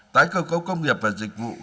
tái cơ cấu công nghiệp và dịch vụ